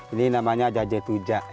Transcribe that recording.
ini namanya jajetujak